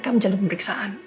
mereka menjalani pemeriksaan